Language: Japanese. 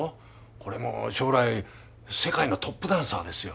これもう将来世界のトップダンサーですよ。